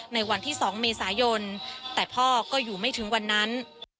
ในวันที่๒เมษายนแต่พ่อก็อยู่ไม่ถึงวันนั้น